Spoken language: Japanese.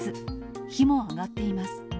火も上がっています。